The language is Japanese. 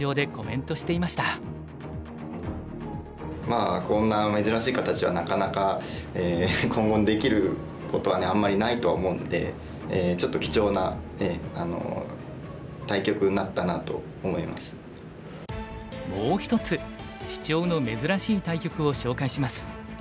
まあこんな珍しい形はなかなか今後できることはあんまりないとは思うんでちょっともう一つシチョウの珍しい対局を紹介します。